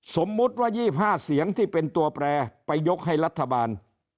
สมมุติว่า๒๕เสียงที่เป็นตัวแปรไปยกให้รัฐบาล